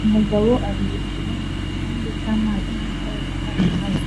Umugabo aruhukira mu gikombe cy'amazi n'amatara yaka inyuma ye